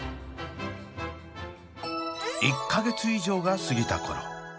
１か月以上が過ぎた頃。